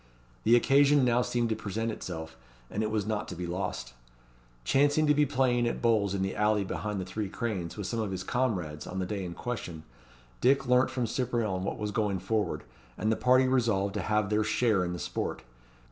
The occasion now seemed to present itself, and it was not to be lost. Chancing to be playing at bowls in the alley behind the Three Cranes with some of his comrades on the day in question, Dick learnt from Cyprien what was going forward, and the party resolved to have their share in the sport.